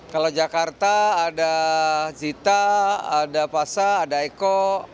kalau jakarta ada zita ada pasa ada eko